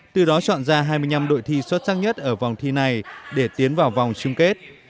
từ đó chọn ra hai mươi năm đội thi xuất sắc nhất ở vòng thi này để tiến vào vòng chung kết